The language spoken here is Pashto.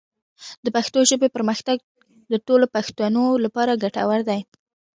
د پښتو ژبې پرمختګ د ټولو پښتنو لپاره ګټور دی.